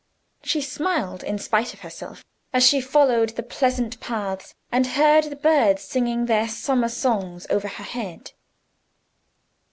She smiled, in spite of herself, as she followed the pleasant paths, and heard the birds singing their summer songs over her head.